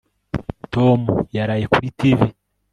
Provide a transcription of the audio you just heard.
Tom yaraye kuri TV